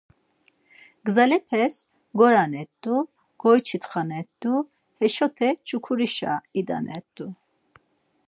Gzalepes goranert̆u, goyç̌itxanert̆u, hişote Çukurişa idanert̆u.